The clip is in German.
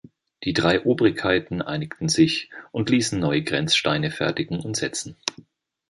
Die drei Obrigkeiten einigten sich und ließen neue Grenzsteine fertigen und setzen.